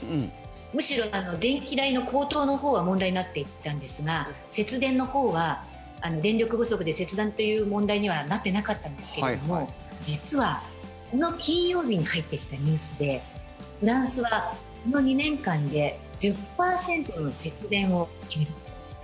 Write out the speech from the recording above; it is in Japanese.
むしろ、電気代の高騰のほうは問題になっていったんですが節電のほうは電力不足で節電という問題にはなってなかったんですけれども実は、この金曜日に入ってきたニュースでフランスはこの２年間で１０％の節電を決めてたんです。